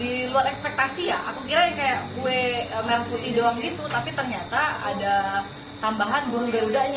di luar ekspektasi ya aku kira kayak kue merah putih doang gitu tapi ternyata ada tambahan burung garudanya